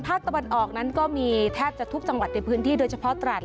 ตะวันออกนั้นก็มีแทบจะทุกจังหวัดในพื้นที่โดยเฉพาะตราด